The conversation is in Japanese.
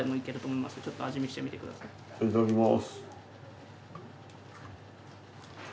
いただきます。